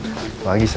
udah berangkat kerja ya